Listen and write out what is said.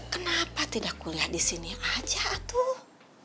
kenapa tidak kuliah di sini aja tuh